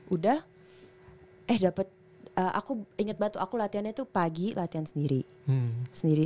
udah eh dapet aku inget banget tuh aku latihannya tuh pagi latihan sendiri